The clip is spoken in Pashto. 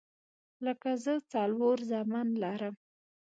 لکه زه څلور زامن لرم